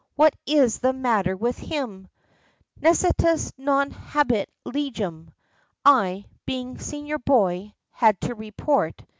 What is the matter with him!" "Necessitas non habet legem." I, being senior boy, had to report.